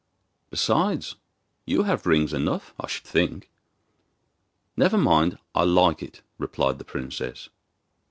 'Besides, you have rings enough, I should think.' 'Never mind, I like it,' replied the princess.